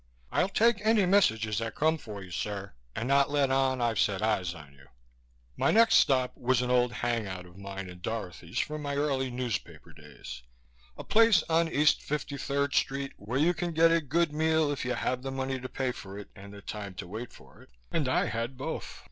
"I'll take any messages that come for you, sir, and not let on I've set eyes on you." My next stop was at an old hang out of mine and Dorothy's from my early newspaper days: a place on East 53rd Street, where you can get a good meal if you have the money to pay for it and the time to wait for it and I had both.